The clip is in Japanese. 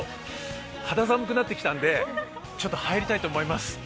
肌寒くなってきたんで入りたいと思います。